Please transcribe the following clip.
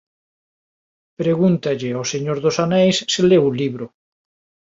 Pregúntalle ao señor dos aneis se leu o libro